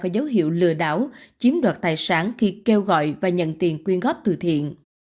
có dấu hiệu lừa đảo chiếm đoạt tài sản khi kêu gọi và nhận tiền quyên góp từ thiện